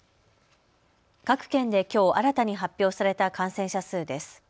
各県できょう新たに発表された感染者数です。